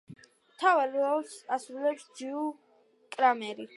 მთავარ როლს ასრულებს ჯოუი კრამერი.